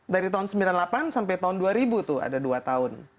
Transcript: dari tahun seribu sembilan ratus sembilan puluh delapan sampai tahun dua ribu tuh ada dua tahun